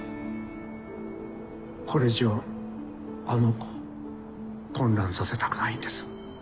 これ以上あの子を混乱させたくないんです。